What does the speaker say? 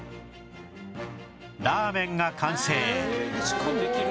ラーメンが完成